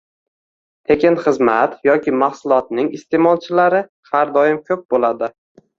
Tekin xizmat yoki mahsulotning iste’molchilari har doim ko’p bo’ladi